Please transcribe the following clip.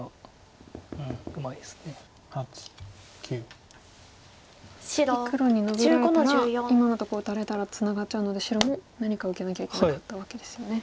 次黒にノビられたら今のところ打たれたらツナがっちゃうので白も何か受けなきゃいけなかったわけですよね。